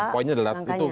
poinnya adalah itu